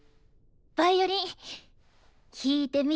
ヴァイオリン弾いてみてよ。